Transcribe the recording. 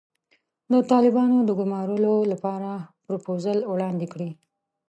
د طالبانو د ګومارلو لپاره پروفوزل وړاندې کړي.